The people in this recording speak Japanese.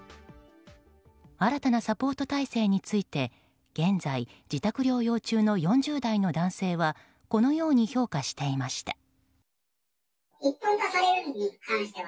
新たなサポート体制について現在、自宅療養中の４０代の男性はこのように評価していました。